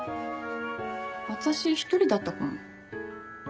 私１人だったかも。